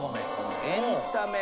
エンタメ。